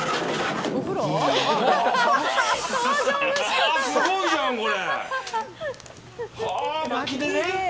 すごいじゃん、これ。